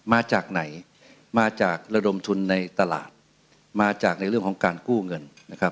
มาจากไหนมาจากระดมทุนในตลาดมาจากในเรื่องของการกู้เงินนะครับ